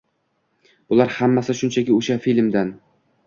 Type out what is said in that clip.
Bular hammasi, shunchaki oʻsha fimdan.